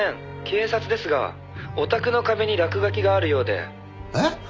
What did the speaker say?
警察ですがお宅の壁に落書きがあるようで」えっ？